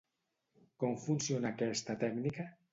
Com funciona aquesta tècnica?